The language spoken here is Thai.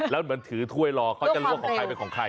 แล้วเหมือนถือถ้วยรอเขาจะรู้ว่าของใครเป็นของใคร